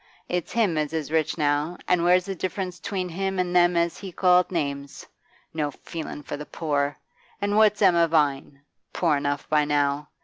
It's him as is rich now, an' where's the difference 'tween him and them as he called names? No feelin' for the poor! An' what's Emma Vine? Poor enough by now.